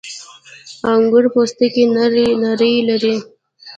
• انګور پوستکی نری لري.